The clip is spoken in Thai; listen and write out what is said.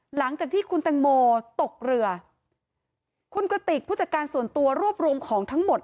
หลังจากที่คุณแตงโมตกเรือคุณกระติกผู้จัดการส่วนตัวรวบรวมของทั้งหมด